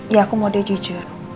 ya aku mau dia jujur